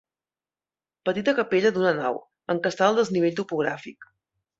Petita capella d'una nau, encastada al desnivell topogràfic.